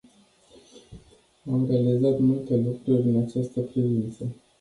Am realizat multe lucruri în această privință.